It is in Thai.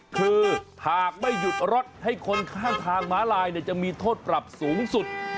คือหากไม่หยุดรถให้คนข้างทางม้าลายจะมีโทษปรับสูงสุด